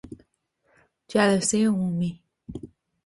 جلسهی عمومی